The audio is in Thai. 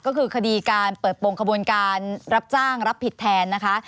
ก็คือคดีการเปิดโปรงขบวนการรับจ้างรับผิดแทนนะคะ